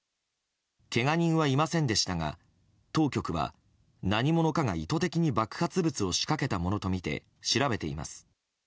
けが人はいませんでしたが当局は何者かが意図的に爆発物を仕掛けたものとみて調べています。